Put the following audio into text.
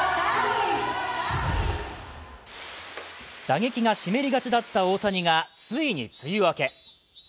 打撃が湿りがちだった大谷がついに梅雨明け。